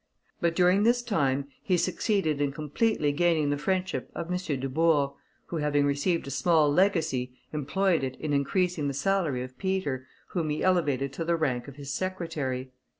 But during this time he succeeded in completely gaining the friendship of M. Dubourg, who, having received a small legacy, employed it in increasing the salary of Peter, whom he elevated to the rank of his secretary.